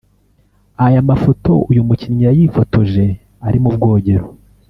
Aya mafoto uyu mukinnyi yayifotoje ari mu bwogero